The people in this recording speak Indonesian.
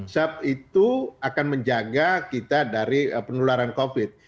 sebab itu akan menjaga kita dari penularan covid